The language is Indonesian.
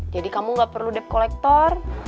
jadi kamu gak perlu debt collector